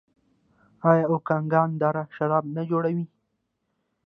آیا اوکاناګن دره شراب نه جوړوي؟